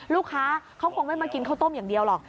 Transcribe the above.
ลูกค้าเขาคงไม่มากินข้าวต้มอย่างเดียวหรอก